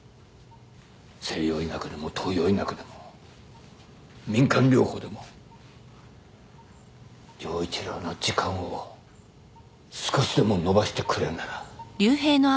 西洋医学でも東洋医学でも民間療法でも城一郎の時間を少しでも延ばしてくれるなら。